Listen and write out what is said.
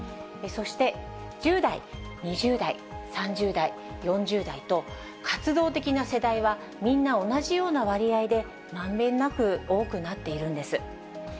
そして１０代、２０代、３０代、４０代と、活動的な世代は、みんな同じような割合で、まんべんなく多くなっているんです。